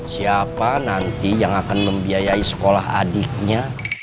siapa nanti yang akan membiayai sekolah adiknya